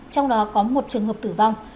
trong đó có một trường hợp tử vong